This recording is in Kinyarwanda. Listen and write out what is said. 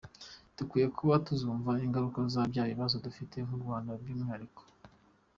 Dukwiye kuba tuzumva, ingaruka za bya bibazo dufite nk’u Rwanda by’umwihariko.